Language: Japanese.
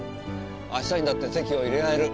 明日にだって籍を入れられる。